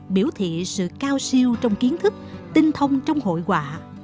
biểu thị sự cao siêu trong kiến thức tinh thông trong hội quạ